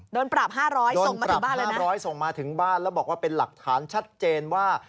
โดนปรับ๕๐๐ส่งมาถึงบ้านแล้ว๕๐๐ส่งมาถึงบ้านแล้วบอกว่าเป็นหลักฐานชัดเจนว่า